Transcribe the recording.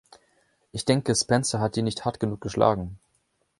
Ich denke, Spencer hat ihn nicht hart genug geschlagen.